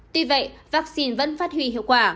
tuy vậy vaccine vẫn phát huy hiệu quả